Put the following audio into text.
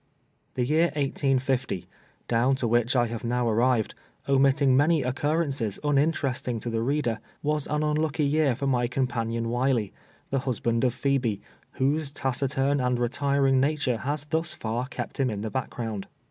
The year 1850, down to which time I have now ar rived, omitting many occurrences uninteresting to the reader, was an unhicky year for my companion Wiley, the husband of Phebe, whose taciturn and retiring nature has tlius far kept him in the background.